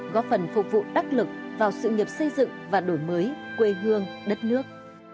góp phần phục vụ đắc lực vào sự nghiệp xây dựng và đổi mới quê hương đất nước